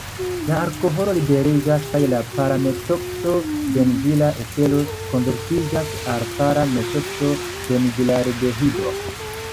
La alkoholo liberiĝas, kaj la para-metokso-benzila etero konvertiĝas al para-metokso-benzilaldehido.